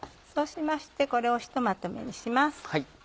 そうしましてこれをひとまとめにします。